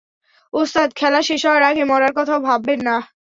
ওস্তাদ, খেলা শেষ হওয়ার আগে মরার কথাও ভাববেন না।